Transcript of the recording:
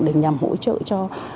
để nhằm hỗ trợ cho